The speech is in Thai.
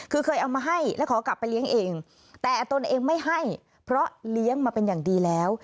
คือเคยเอามาให้และขอกลับไปเลี้ยงเองแต่ตนเองไม่ให้เพราะเลี้ยงมาเป็นอย่างดีแล้ว